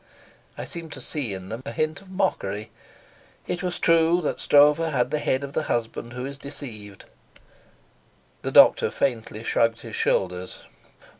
I seemed to see in them a hint of mockery; it was true that Stroeve had the head of the husband who is deceived. The doctor faintly shrugged his shoulders.